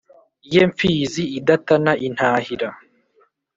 Ye Mfizi idatana intahira,